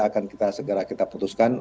akan kita segera kita putuskan